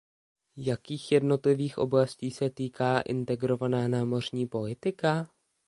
Jakých jednotlivých oblastí se týká integrovaná námořní politika?